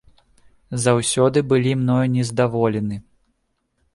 Заўсёды былі мною нездаволены.